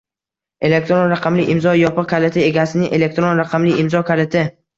Elektron raqamli imzo yopiq kaliti egasining elektron raqamli imzo kaliti